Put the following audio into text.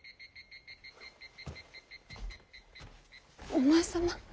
お前様。